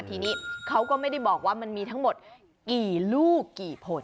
ทีนี้เขาก็ไม่ได้บอกว่ามันมีทั้งหมดกี่ลูกกี่ผล